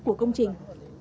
của công trình